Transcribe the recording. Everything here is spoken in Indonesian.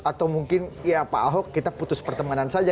atau mungkin ya pak ahok kita putus pertemanan saja